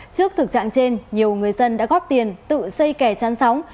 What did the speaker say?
trước thực trạng trên nhiều người dân đã góp tiền tự xây kè chăn sóng